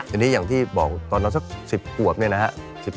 ทีนี้อย่างที่บอกตอนนั้นสัก๑๐ขวบเนี่ยนะฮะ